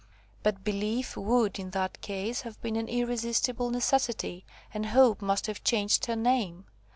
But belief would, in that case, have been an irresistible necessity, and hope must have changed her name.